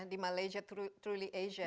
di malaysia truly asia